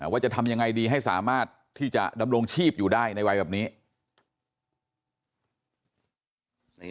ว่าจะทำยังไงดีให้สามารถที่จะดำรงชีพอยู่ได้ในวัยแบบนี้